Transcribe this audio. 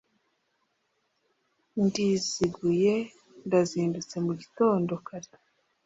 ndiziguye ndazindutse mugitondo kare.